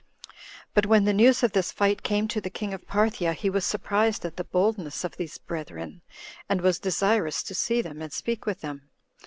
3. But when the news of this fight came to the king of Parthia, he was surprised at the boldness of these brethren, and was desirous to see them, and speak with them.